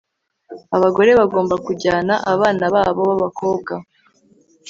Abagore bagomba kujyana abana babo babakobwa